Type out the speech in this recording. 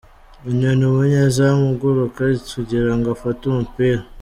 Inyoni : Umunyezamu uguruka kugirango afate umupira.